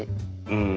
うん。